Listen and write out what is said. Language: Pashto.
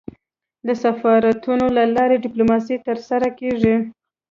د سفارتونو له لاري ډيپلوماسي ترسره کېږي.